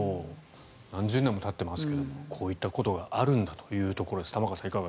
何十年もたっていますけれどもこういったことがあるんだということです。